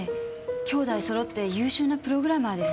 兄弟そろって優秀なプログラマーです。